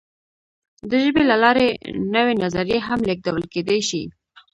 د ژبې له لارې نوې نظریې هم لېږدول کېدی شي.